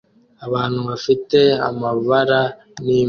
abantu bafite amabara n'imbwa